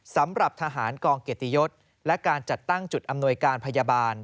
สำหรับทหารกองเกียรติยศและการจัดตั้งจุดอำนวยการพยาบาล